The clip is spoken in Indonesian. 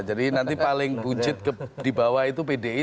jadi nanti paling buncit di bawah itu pdi